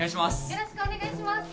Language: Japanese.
よろしくお願いします。